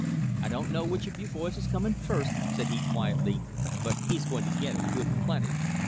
"I don't know which of you boys is coming first," said he quietly, "but he's going to get it good and plenty."